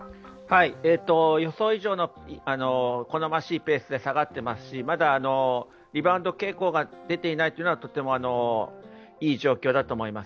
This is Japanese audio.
予想以上の好ましいペースで下がっていますし、まだリバウンド傾向が出ていないというのが、とてもいい状況だと思います。